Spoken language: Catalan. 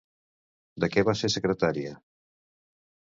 De què va ser secretària?